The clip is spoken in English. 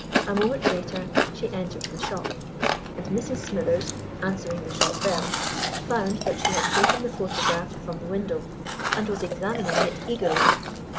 A moment later she entered the shop; and Mrs. Smithers, answering the shop bell, found that she had taken the photograph from the window and was examining it eagerly.